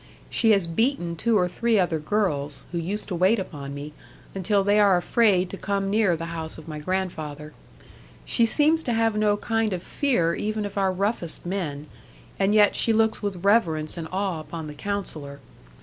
She has beaten two or three other girls, who used to wait upon me, until they are afraid to come near the house of my grandfather. She seems to have no kind of fear even of our roughest men; and yet she looks with reverence and awe upon the Counsellor.